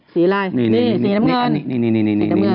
สีอะไรนี่สีน้ำเงินนี่